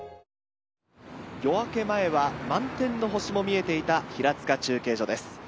夜明け前は満天の星も見えていた平塚中継所です。